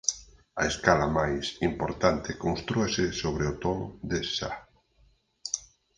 A escala máis importante constrúese sobre o ton de sa.